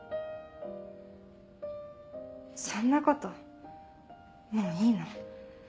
そんなこともういいの。